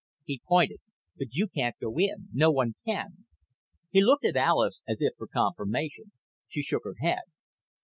He pointed. "But you can't go in. No one can." He looked at Alis as if for confirmation. She shook her head.